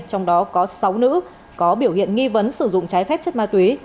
trong đó có sáu nữ có biểu hiện nghi vấn sử dụng trái phép chất ma túy